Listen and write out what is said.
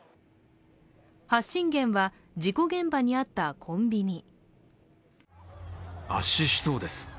発信源は、事故現場にあったコンビニ。